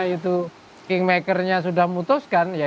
itu kingmaker nya sudah memutuskan ya